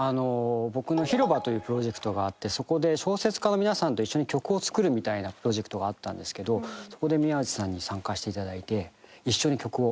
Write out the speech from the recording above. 僕のＨＩＲＯＢＡというプロジェクトがあってそこで小説家の皆さんと一緒に曲を作るみたいなプロジェクトがあったんですけどそこで宮内さんに参加していただいて一緒に曲を。